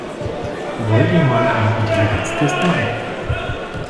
Wollt ihr mal einen Intelligenztest machen?